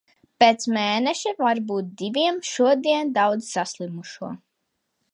Pēc mēneša, varbūt diviem. Šodien daudz saslimušo.